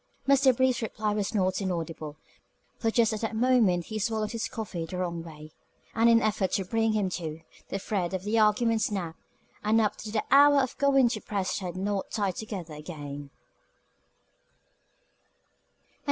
Mr. Brief's reply was not inaudible, for just at that moment he swallowed his coffee the wrong way, and in the effort to bring him to, the thread of the argument snapped, and up to the hour of going to press had not been tied together again.